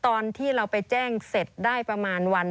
แล้วตอนที่เราไปแจ้งเสร็จได้ประมาณวันสองวันนะคะ